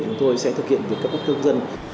chúng tôi sẽ thực hiện việc cấp cân cơ công dân